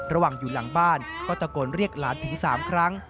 ระหว่างอยู่หลังบ้านก็ตะโกนเรียกหลานถึง๓ครั้ง